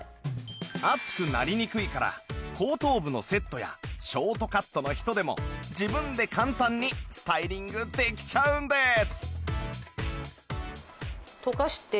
熱くなりにくいから後頭部のセットやショートカットの人でも自分で簡単にスタイリングできちゃうんです